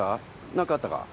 何かあったか？